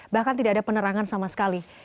bahkan tidak ada penerangan sama sekali